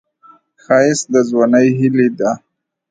ښایست د ځوانۍ هیلې ده